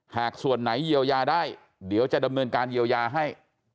หากส่วนไหนเยียวยาได้เดี๋ยวจะดำเนินการเยียวยาให้